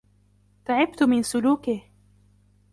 تعبت من سلوكه.